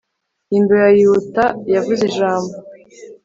Imbeba yihuta yavuze ijambo